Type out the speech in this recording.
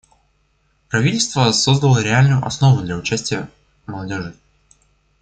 Правительство создало реальную основу для участия молодежи.